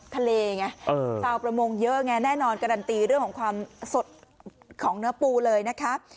ทะเลไงชาวประมงเยอะไงแน่นอนการันตีเรื่องของความสดของเนื้อปูเลยนะคะ